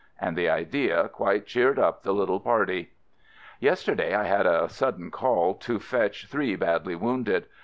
— and the idea quite cheered up the little party. Yesterday I had a sudden call to fetch three badly wounded.